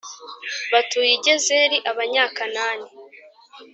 batuye i Gezeri Abanyakanani